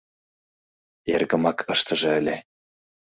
— Эргымак ыштыже ыле.